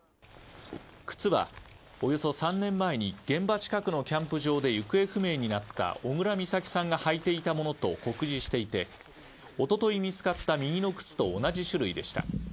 靴はおよそ３年前に現場近くのキャンプ場で行方不明になった小倉美咲さんが履いていたものと酷似していておととい見つかった右の靴と同じ種類でした。